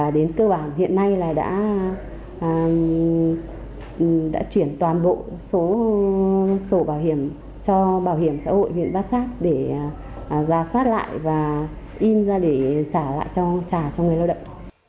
để giả soát lại và in ra để trả lại cho người lao động